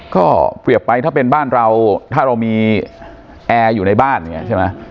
ก็เปรียบไปถ้าเป็นบ้านเราถ้าเรามีแอร์อยู่ในบ้านอย่างนี้ใช่ไหม